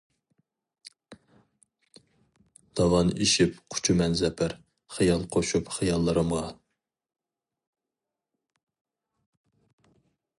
داۋان ئېشىپ قۇچىمەن زەپەر، خىيال قوشۇپ خىياللىرىمغا.